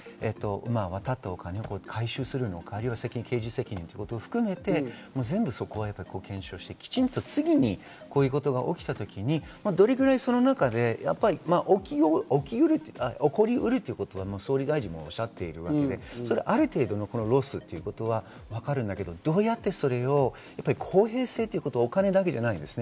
そのお金を不正に渡ったお金を回収するのか、刑事責任ということを含めて全部そこを検証して、きちんと次にこういうことが起きた時にどれぐらいその中で起きうる、起こりうるということは総理大臣もおっしゃっているわけで、ある程度のロスはわかるんだけど、どうやってそれを公平性ということはお金だけじゃないです。